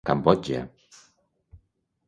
Cambodja.